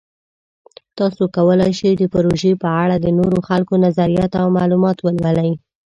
تاسو کولی شئ د پروژې په اړه د نورو خلکو نظریات او معلومات ولولئ.